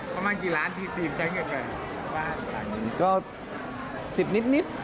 ประมาณกี่ล้านทีลืมใช้เงินเงิน